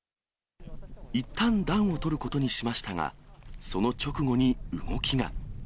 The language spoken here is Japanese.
いったん暖をとることにしましたが、その直後に動きが。